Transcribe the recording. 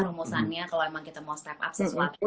rumusannya kalau memang kita mau step up sesuatu